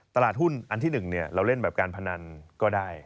ตลาดหุ้นอันที่๑เราเล่นแบบการพนันก็ได้